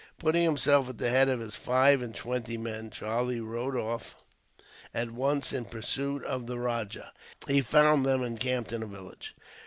Putting himself at the head of his five and twenty men, Charlie rode off at once in pursuit of the rajah. He found him encamped in a village.